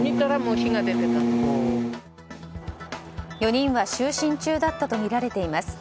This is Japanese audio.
４人は就寝中だったとみられています。